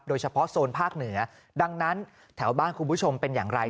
โดยเฉพาะโซนภาคเหนือดังนั้นแถวบ้านคุณผู้ชมเป็นอย่างไร